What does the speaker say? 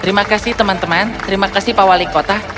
terima kasih teman teman terima kasih pak wali kota